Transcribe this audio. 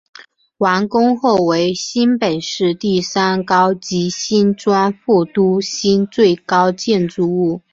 完工后为新北市第三高及新庄副都心最高建筑物。